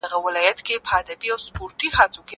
تکړښت د ښوونکي له خوا ښوول کيږي!؟